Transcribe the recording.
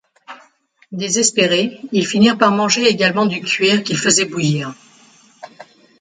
Désespérés, ils finirent par manger également du cuir qu'ils faisaient bouillir.